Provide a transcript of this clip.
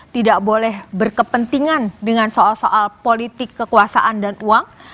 tidak boleh berkepentingan dengan soal soal politik kekuasaan dan uang